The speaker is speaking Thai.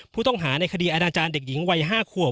ผู้ต้องหาในคดีอาณาจารย์เด็กหญิงวัย๕ขวบ